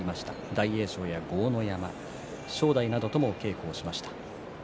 大栄翔や豪ノ山正代などとも稽古をしました。